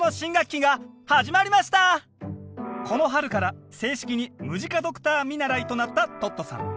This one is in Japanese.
この春から正式にムジカドクター見習いとなったトットさん。